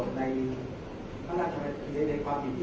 แต่ว่าไม่มีปรากฏว่าถ้าเกิดคนให้ยาที่๓๑